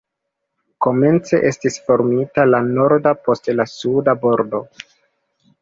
Komence estis formita la norda, poste la suda bordo.